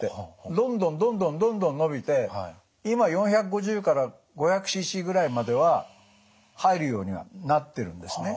どんどんどんどんどんどん伸びて今４５０から５００ｃｃぐらいまでは入るようになってるんですね。